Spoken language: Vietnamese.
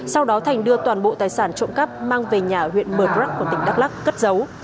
sau đó thành đưa toàn bộ tài sản trộm cắp mang về nhà huyện mờ rắc của tỉnh đắk lắc cất giấu